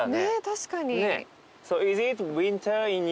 確かに。